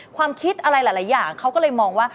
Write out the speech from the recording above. ความคิดอะไรหลายอย่างเขาก็เลยมองว่า